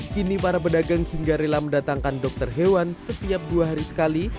kini para pedagang hingga rela mendatangkan dokter hewan setiap dua hari sekali